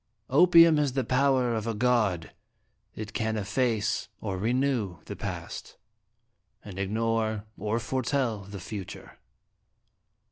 " Opium has the power of a god; it can efface or renew the Past, and ignore or foretell the Future."